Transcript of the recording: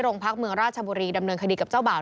โรงพักเมืองราชบุรีดำเนินคดีกับเจ้าบ่าว